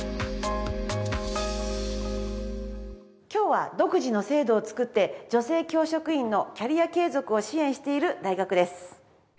今日は独自の制度を作って女性教職員のキャリア継続を支援している大学です。